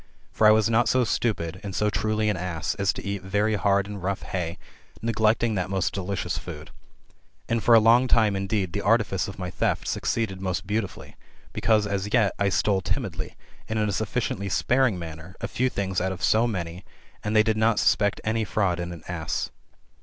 For I was not so stupid, and so truly an ass, as to eat very hard and rough hay, neglecting that most delicious food. And for a long time, indeed, the artifice of my theft succeeded most beautifully, because, as yet, I stole timidly, and in a sufficiently sparing manner, a few things out of so many, and they did not suspect any fiaud in an ass.